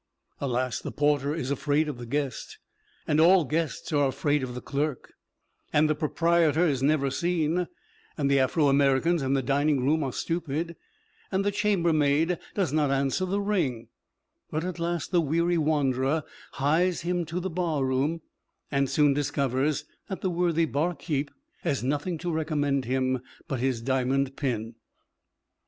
Alas, the porter is afraid of the "guest," and all guests are afraid of the clerk, and the proprietor is never seen, and the Afro Americans in the dining room are stupid, and the chambermaid does not answer the ring, and at last the weary wanderer hies him to the barroom and soon discovers that the worthy "barkeep" has nothing to recommend him but his diamond pin.